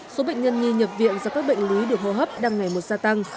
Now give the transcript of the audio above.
số bệnh nhân nhi nhập viện do các bệnh lý được hô hấp đăng ngày một gia tăng